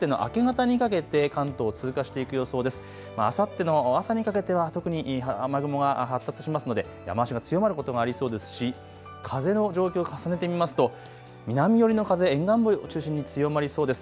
あさっての朝にかけては特に雨雲が発達しますので雨足が強まることもありそうですし風の状況を重ねてみますと南寄りの風、沿岸部を中心に強まりそうです。